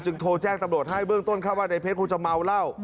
โทรแจ้งตำรวจให้เบื้องต้นข้าวว่าในเพชรคงจะเมาเหล้า